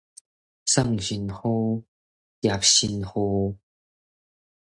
送神風，接神雨